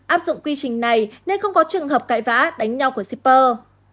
áp dụng quy trình này nên không có trường hợp cãi vã đánh nhau của shipper